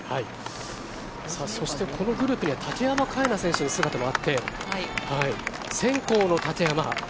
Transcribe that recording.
そしてこのグループには竹山楓菜選手の姿もあって先行の竹山。